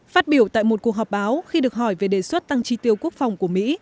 phát biểu tại một cuộc họp báo khi được hỏi về đề xuất tăng tri tiêu quốc phòng của mỹ